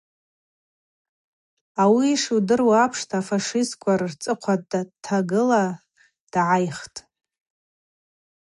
Ауи йшудыруа апшта, афашистква рцӏыхъва дтагыла дгӏайхтӏ.